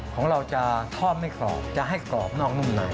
ของเราจะทอดไม่กรอบจะให้กรอบนอกนุ่มใน